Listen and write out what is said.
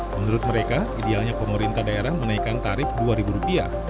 menurut mereka idealnya pemerintah daerah menaikkan tarif rp dua